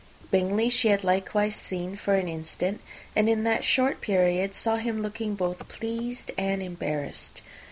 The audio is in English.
Bingley she had likewise seen for an instant, and in that short period saw him looking both pleased and embarrassed.